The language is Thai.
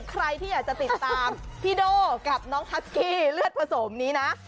ใครที่อยากจะติดตามพี่โด่กับน้องฮัสกี้เลือดผสมนี้นะ